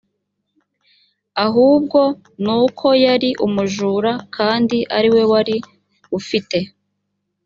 ahubwo ni uko yari umujura kandi ari we wari ufite